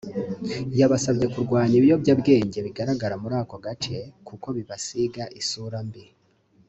yabasabye kurwanya ibiyobyabwenge bigaragara muri ako gace kuko bibasiga isura mbi